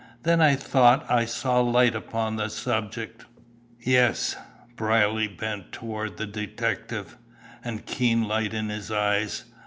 Then I thought I saw light upon the subject." "Yes." Brierly bent toward the detective, a keen light in his eyes.